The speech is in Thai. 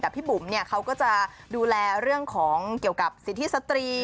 แต่พี่บุ๋มเขาก็จะดูแลเรื่องของเกี่ยวกับสิทธิสตรี